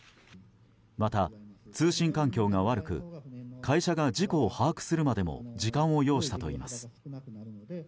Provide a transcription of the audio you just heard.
また、通信環境が悪く会社が事故を把握するまでも時間を要したといいます。